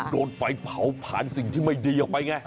โดนไฟเผาผ่านสิ่งที่ไม่ดีออกไปไง